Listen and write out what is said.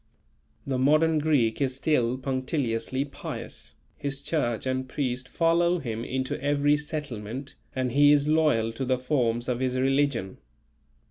The modern Greek is still punctiliously pious, his church and priest follow him into every settlement, and he is loyal to the forms of his religion.